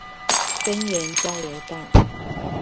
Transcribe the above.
芬園交流道